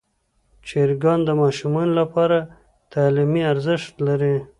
چرګان د ماشومانو لپاره تعلیمي ارزښت لري.